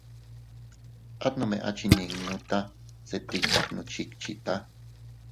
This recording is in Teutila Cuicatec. At nome a chinninuta se tika gnuchickchita.